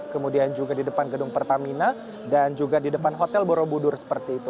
kemudian juga di depan gedung pertamina dan juga di depan hotel borobudur seperti itu